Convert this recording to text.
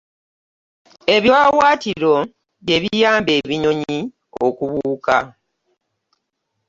Ebiwaawatiro by'ebiyamba ebinyonyi okubuuka.